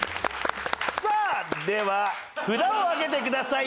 さあでは札を上げてください。